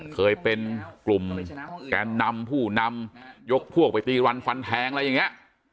เคยเป็นกลุ่มแกนนำผู้นำยกพวกไปตีรันฟันแทงอะไรอย่างนี้